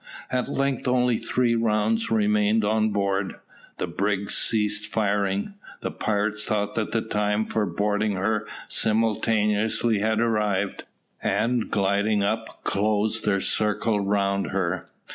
At length only three rounds remained on board. The brig ceased firing. The pirates thought that the time for boarding her simultaneously had arrived, and gliding up closed their circle round her.